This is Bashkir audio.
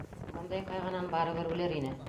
Бындай ҡайғынан барыбер үлер ине...